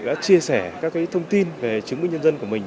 đã chia sẻ các thông tin về chứng minh nhân dân của mình